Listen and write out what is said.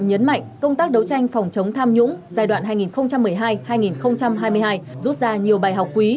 nhấn mạnh công tác đấu tranh phòng chống tham nhũng giai đoạn hai nghìn một mươi hai hai nghìn hai mươi hai rút ra nhiều bài học quý